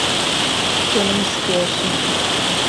Canımı sıkıyorsun.